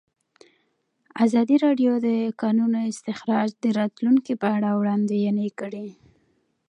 ازادي راډیو د د کانونو استخراج د راتلونکې په اړه وړاندوینې کړې.